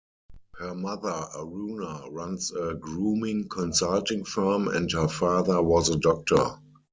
Her mother Aruna runs a grooming consulting firm and her father was a doctor.